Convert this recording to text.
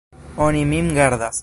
Oni min gardas.